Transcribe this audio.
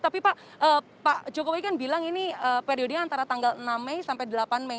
tapi pak jokowi kan bilang ini periodenya antara tanggal enam mei sampai delapan mei